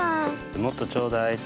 もっとちょうだいって。